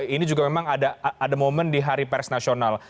ini juga memang ada momen di hari pers nasional